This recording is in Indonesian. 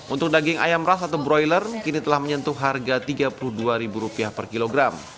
untuk daging ayam ras atau broiler kini telah menyentuh harga rp tiga puluh dua per kilogram